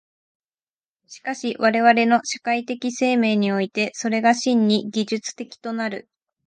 しかし我々の社会的生命において、それが真に技術的となる。